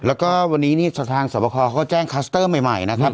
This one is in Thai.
แล้วก็วันนี้นี่สถานสวบคอเขาแจ้งคัสเตอร์ใหม่นะครับ